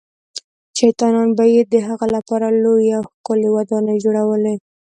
شیطانان به یې د هغه لپاره لویې او ښکلې ودانۍ جوړولې.